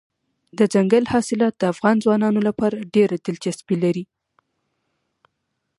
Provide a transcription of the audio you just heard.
دځنګل حاصلات د افغان ځوانانو لپاره ډېره دلچسپي لري.